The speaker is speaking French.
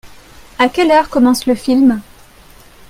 À quelle heure commence le film ?